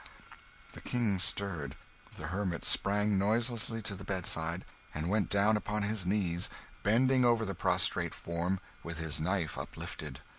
The King stirred. The hermit sprang noiselessly to the bedside, and went down upon his knees, bending over the prostrate form with his knife uplifted.